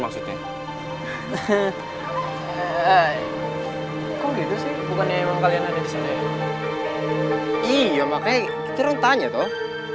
eh kita orang tanya toh